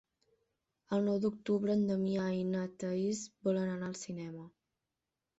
El nou d'octubre en Damià i na Thaís volen anar al cinema.